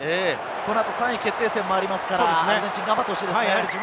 このあと３位決定戦もありますから、アルゼンチン頑張ってほしいですね。